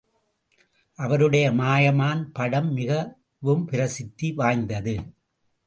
அவருடைய மாயமான் படம் மிகவும் பிரசித்தி வாய்ந்தது.